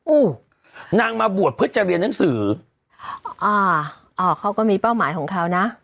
ู้นางมาบวชเพื่อจะเรียนหนังสืออ่าอ่าเขาก็มีเป้าหมายของเขานะ